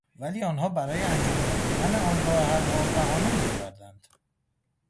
ولی آنها برای انجام ندادن آن راه حل ها بهانه میآورند